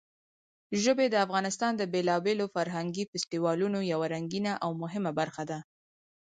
ژبې د افغانستان د بېلابېلو فرهنګي فستیوالونو یوه رنګینه او مهمه برخه ده.